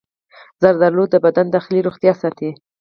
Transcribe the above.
زردآلو د بدن داخلي روغتیا ساتي.